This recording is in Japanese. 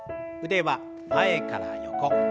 腕は前から横。